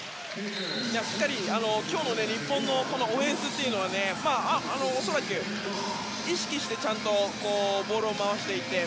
しっかり今日の日本のオフェンスというのは恐らく、意識してちゃんとボールを回していて。